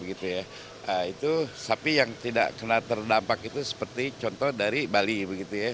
nah itu sapi yang tidak kena terdampak itu seperti contoh dari bali begitu ya